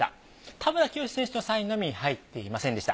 田村潔司選手のサインのみ入っていませんでした。